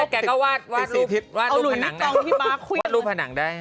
เขาก็วาดรูปผนังได้